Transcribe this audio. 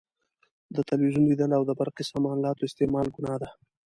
د تلویزیون لیدل او برقي سامان الاتو استعمال ګناه ده.